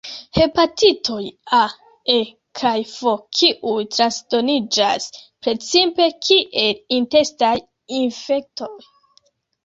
Hepatitoj A, E kaj F kiuj transdoniĝas precipe kiel intestaj infektoj.